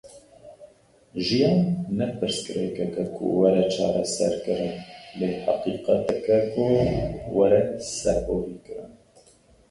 Jiyan ne pirsgirêkeke ku were çareserkirin lê heqîqeteke ku were serborîkirin.